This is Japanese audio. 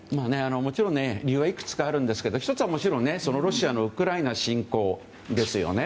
もちろん理由はいくつかあるんですけど１つはもちろんロシアのウクライナ侵攻です。